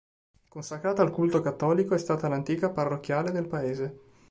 Consacrata al culto cattolico, è stata l'antica parrocchiale del paese.